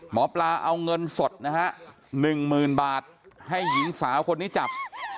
หมอปลาเอาเงินสดนะฮะ๑๐๐๐บาทให้หญิงสาวคนนี้จับ